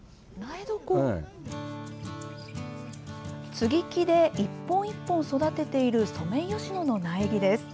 接ぎ木で１本１本育てているソメイヨシノの苗木です。